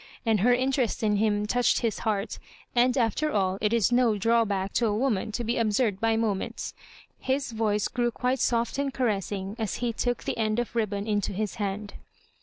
And her interest in him touched his heart ; and, after aU, it is no drawbadc to a woman to be ab surd by moments. His voice grew quite soft and caressmg as he took the end of ribbon into his hand.